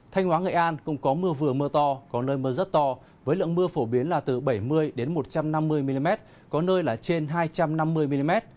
thanh hóa nghệ an cũng có mưa vừa mưa to có nơi mưa rất to với lượng mưa phổ biến là từ bảy mươi một trăm năm mươi mm có nơi là trên hai trăm năm mươi mm